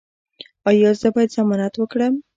ایا زه باید ضمانت وکړم؟